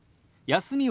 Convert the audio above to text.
「休み」。